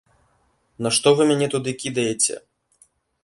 На што вы мяне туды кідаеце?